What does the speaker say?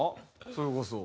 それこそ。